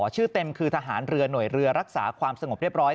ชื่อเต็มคือทหารเรือหน่วยเรือรักษาความสงบเรียบร้อย